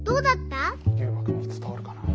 ゆうまくんにつたわるかな。